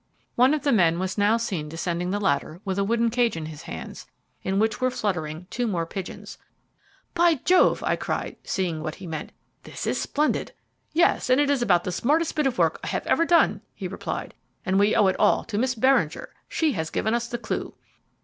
One of the men was now seen descending the ladder with a wooden cage in his hands, in which were fluttering two more pigeons. "By Jove!" I cried, seeing what he meant, "this is splendid." "Yes, it is about the smartest bit of work I have ever done," he replied, "and we owe it all to Miss Beringer; she has given us the clue."